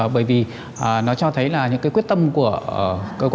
bởi vì nó cho thấy là những cơ quan quản lý trong thời gian vừa qua